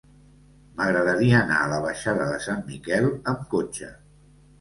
M'agradaria anar a la baixada de Sant Miquel amb cotxe.